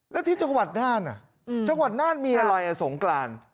แล้วที่จังหวัดน่านจังหวัดน่านมีอะไรสงกราน